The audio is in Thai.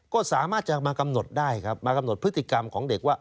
ก็สามารถจะมากำหนดได้ครับมากำหนดพฤติกรรมของเด็กว่า